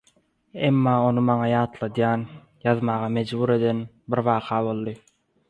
Emma ony maňa ýatladan, ýazmaga mejbur eden bir waka boldy.